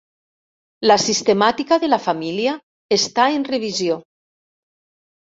La sistemàtica de la família està en revisió.